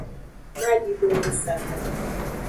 Madidome saba.